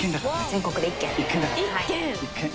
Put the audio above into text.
全国で１軒。